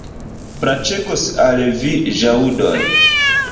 Plaĉegos al vi ĵaŭdoj.